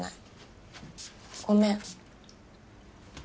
ごめん。